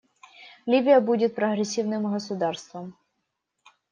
Ливия будет прогрессивным государством.